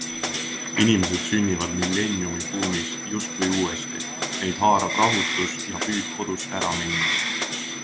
Inimesed sünnivad millenniumibuumis justkui uuesti, neid haarab rahutus ja püüd kodust ära minna.